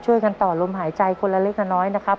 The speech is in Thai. ช่วยกันต่อลมหายใจคนละเล็กละน้อยนะครับ